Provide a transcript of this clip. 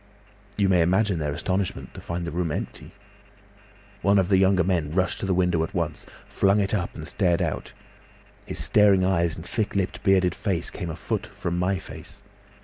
"You may imagine their astonishment to find the room empty. One of the younger men rushed to the window at once, flung it up and stared out. His staring eyes and thick lipped bearded face came a foot from my face.